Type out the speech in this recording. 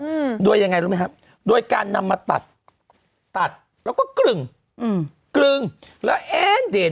อืมโดยยังไงรู้ไหมครับโดยการนำมาตัดตัดแล้วก็กลึงอืมกลึงแล้วเอ็นเด่น